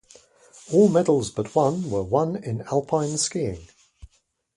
All medals but one were won in alpine skiing.